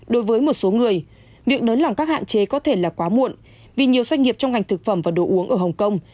đối với một số người việc nới lỏng các hạn chế có thể là quá muộn vì nhiều doanh nghiệp trong ngành thực phẩm và đồ uống ở hồng kông